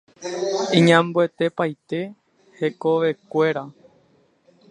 Iñambuepaite hekovekuéra.